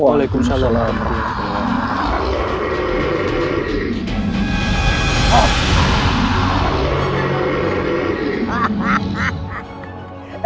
waalaikumsalam warahmatullahi wabarakatuh